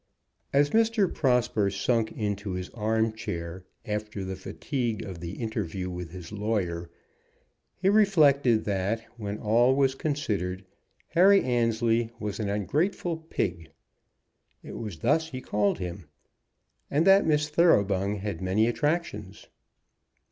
As Mr. Prosper sunk into his arm chair after the fatigue of the interview with his lawyer, he reflected that, when all was considered, Harry Annesley was an ungrateful pig, it was thus he called him, and that Miss Thoroughbung had many attractions.